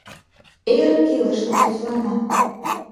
Эрык илышна тӱзлана.